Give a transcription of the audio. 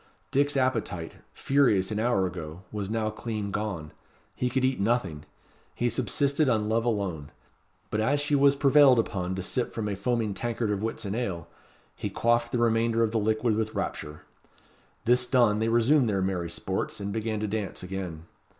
Dick's appetite, furious an hour ago, was now clean gone. He could eat nothing. He subsisted on love alone. But as she was prevailed upon to sip from a foaming tankard of Whitsun ale, he quaffed the remainder of the liquid with rapture. This done, they resumed their merry sports, and began to dance, again.